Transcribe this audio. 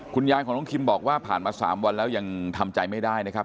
คุณยายของน้องคิมบอกว่าผ่านมา๓วันแล้วยังทำใจไม่ได้นะครับ